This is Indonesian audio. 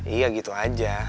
iya gitu aja